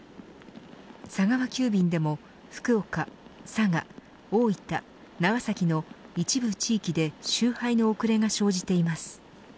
佐川急便でも福岡、佐賀大分、長崎の一部地域で集配の遅れが生じています。